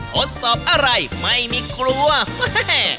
ทดสอบอะไรไม่มีครูปุ้ง